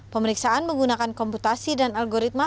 pemeriksaan menggunakan komputasi dan algoritma